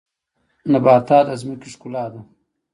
نباتات د ځمکې ښکلا ده